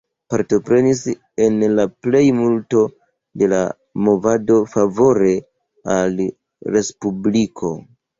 Partoprenis en la plej multo de la movadoj favore al la Respubliko.